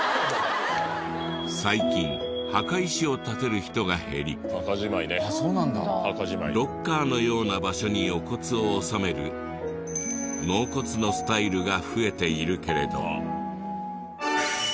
最近墓石を建てる人が減りロッカーのような場所にお骨を納める納骨のスタイルが増えているけれど。